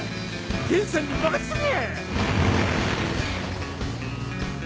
源さんに任せとけ！